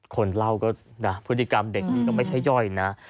คนเล่าก็นะพฤติกรรมเด็กนี่ก็ไม่ใช่ย่อยนะ